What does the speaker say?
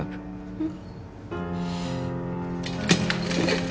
うん